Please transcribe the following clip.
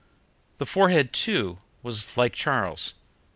The forehead, too, was like Charles's.